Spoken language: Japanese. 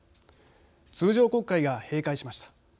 通常国会が閉会しました。